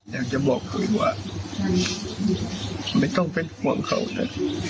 อยากจะบอกคุยว่าไม่ต้องเป็นห่วงเขานะ